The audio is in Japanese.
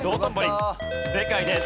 正解です。